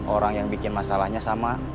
orang yang bikin masalahnya sama